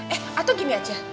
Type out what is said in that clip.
eh atau gini aja